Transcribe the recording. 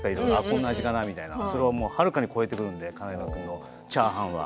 こんな味かなってそれをはるかに超えてくるので彼のチャーハンは。